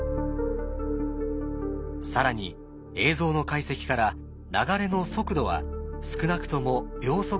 更に映像の解析から流れの速度は少なくとも秒速３ｍ。